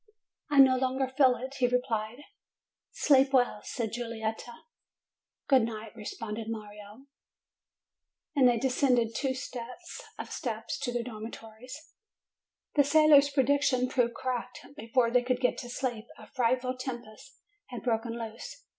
"I no longer feel it," he replied. "Sleep well," said Giulietta. "Good night," responded Mario. And they de scended two sets of steps to their dormitories. The sailor's prediction proved correct. Before they could get to sleep, a frightful tempest had broken loose.